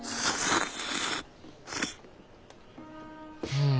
うん。